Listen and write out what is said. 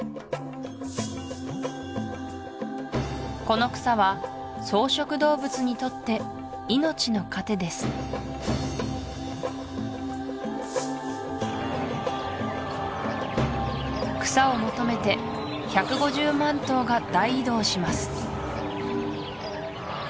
この草は草食動物にとって命の糧です草を求めて１５０万頭が大移動します